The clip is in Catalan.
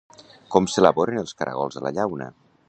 Com s'elaboren els caragols a la llauna?